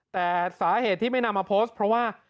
แต่สาเหตุที่ไม่นำมาโพสต์เพราะว่า